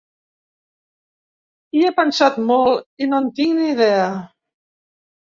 Hi he pensat molt i no en tinc ni idea.